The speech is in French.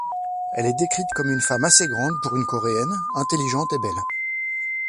Elle est décrite comme une femme assez grande pour une coréenne, intelligente et belle.